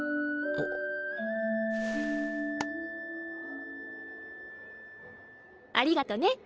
あ！ありがとね。